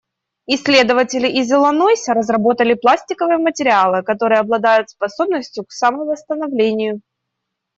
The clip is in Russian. Исследователи из Иллинойса разработали пластиковые материалы, которые обладают способностью к самовосстановлению.